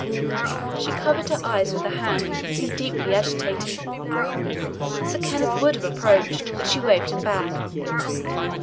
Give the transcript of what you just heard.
She covered her eyes with her hands, and seemed deeply agitated. Sir Kenneth would have approached, but she waved him back.